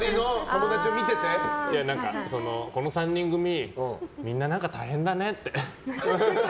この３人組みんな何か大変だねって。